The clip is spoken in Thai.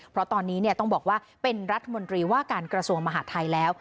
เพราะตอนนี้ต้องบอกว่าเป็นรัฐมนตรีว่าการกระทรวงมหาดไทยแล้ว